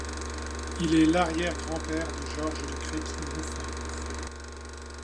Il est l'arrière grand-père de Georges de Créqui-Montfort.